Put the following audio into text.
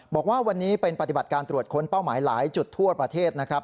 บอกว่าวันนี้เป็นปฏิบัติการตรวจค้นเป้าหมายหลายจุดทั่วประเทศนะครับ